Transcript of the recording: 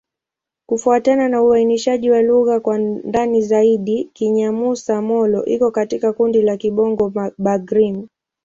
Kufuatana na uainishaji wa lugha kwa ndani zaidi, Kinyamusa-Molo iko katika kundi la Kibongo-Bagirmi.